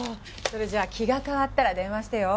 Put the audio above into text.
それじゃあ気が変わったら電話してよ。